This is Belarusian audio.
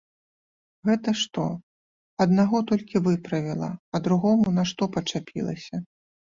Гэта што, аднаго толькі выправіла, а другому нашто пачапілася.